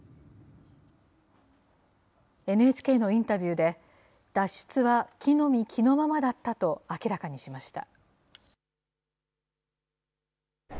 ＮＨＫのインタビューで、脱出は着のみ着のままだったと明らかにしました。